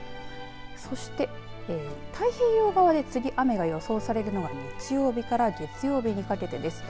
そして、太平洋側で次、雨が予想されるのは日曜日から月曜日にかけてです。